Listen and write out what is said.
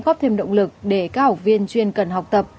góp thêm động lực để các học viên chuyên cần học tập